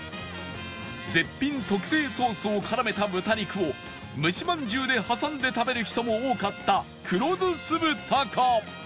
絶品特製ソースを絡めた豚肉を蒸しまんじゅうで挟んで食べる人も多かった黒酢酢豚か